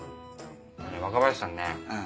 若林さんね